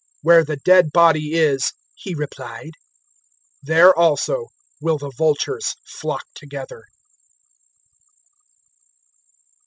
"Where the dead body is," He replied, "there also will the vultures flock together."